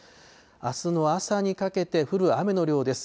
あすの朝にかけて降る雨の量です。